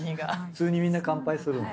普通にみんな乾杯するの？